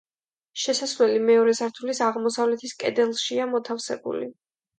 შესასვლელი მეორე სართულის აღმოსავლეთის კედელშია მოთავსებული.